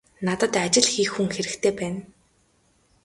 Надад ажил хийх хүн хэрэгтэй байна.